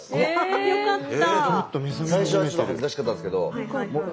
よかった！